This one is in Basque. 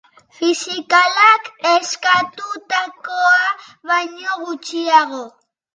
Fiskalak eskatutakoa baino gutxiago.